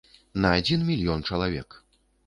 На адзін мільён чалавек.